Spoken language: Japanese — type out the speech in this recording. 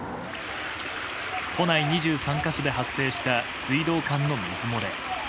都内２３か所で発生した水道管の水漏れ。